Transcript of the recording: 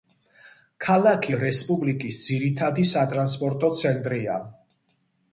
ქალაქი რესპუბლიკის ძირითადი სატრანსპორტო ცენტრია.